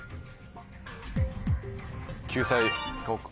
救済使おうか。